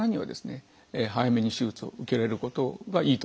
早めに手術を受けられることがいいと思います。